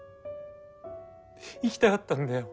生きたかったんだよ。